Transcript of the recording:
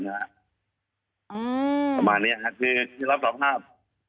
ประมาณนี้คือที่รับส่องภาพ